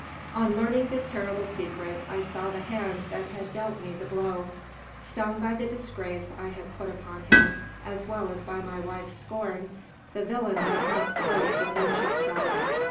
"On learning this terrible secret, I saw the hand that had dealt me the blow. Stung by the disgrace I had put upon him, as well as by my wife's scorn, the villain was not slow to avenge himself.